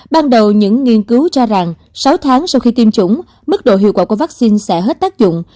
ban đầu những nghiên cứu cho rằng sáu tháng sau khi tiêm chủng mức độ hiệu quả của vaccine sẽ hết tác dụng